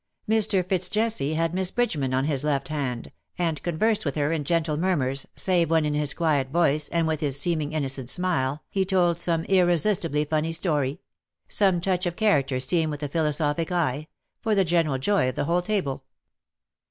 Mr. FitzJesse had Miss Bridgeman on his left hand, and conversed with her in gentle mur murs, save when in his quiet voice, and with his seeming innocent smile, he told some irresistibly funny story — some touch of character seen with a philosophic eye — for the general joy of the whole table.